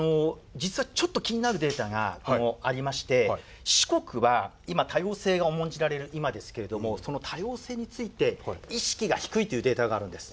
実はちょっと気になるデータがありまして四国は今多様性が重んじられる今ですけれどもその多様性について意識が低いというデータがあるんです。